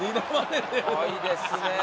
すごいですね。